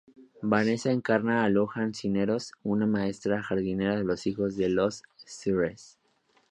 Vanesa encarna a Luján Cisneros, una maestra jardinera de los hijos de los "Sres.